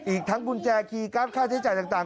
อีกทั้งกุญแจคีย์การ์ดค่าใช้จ่ายต่าง